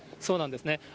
そうなんですね。